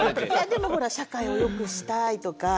でもほら社会をよくしたいとか。